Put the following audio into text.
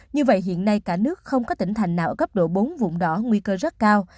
như vậy hiện nay cả nước không có tỉnh thành nào ở cấp độ bốn vùng đỏ nguy cơ rất cao